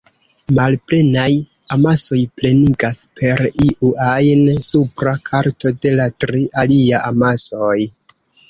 Malplenaj amasoj plenigas per iu ajn supra karto de la tri alia amasoj.